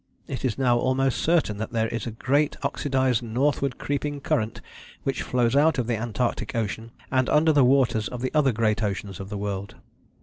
It is now almost certain that there is a great oxidized northward creeping current which flows out of the Antarctic Ocean and under the waters of the other great oceans of the world.